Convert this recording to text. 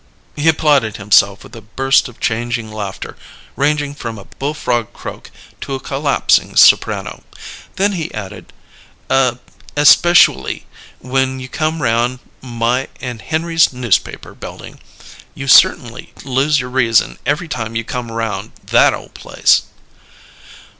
He applauded himself with a burst of changing laughter ranging from a bullfrog croak to a collapsing soprano; then he added: "Espeshually when you come around my and Henry's Newspaper Building! You cert'nly 'lose your reason' every time you come around that ole place!"